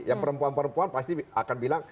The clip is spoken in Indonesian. yang perempuan perempuan pasti akan bilang